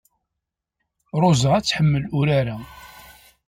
Ṛuza ad tḥemmel urar-a.